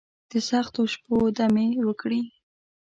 دسختو شپو، دمې وکړي